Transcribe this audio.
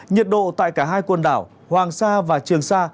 nhiệt độ tại cả hai quần đảo hoàng sa và trường sa